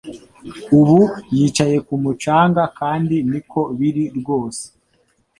Ubu yicaye ku mucanga kandi niko biri rwose